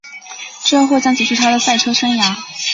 这或将结束她的赛车生涯。